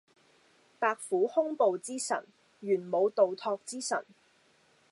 白虎兇暴之神，玄武盜拓之神